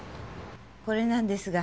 これなんですが。